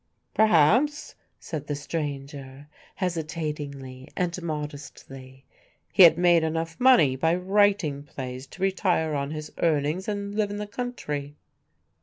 "Perhaps," said the stranger, hesitatingly and modestly, "he had made enough money by writing plays to retire on his earnings and live in the country."